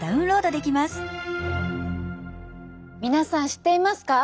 皆さん知っていますか？